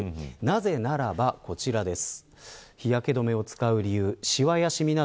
なぜならば、こちらです。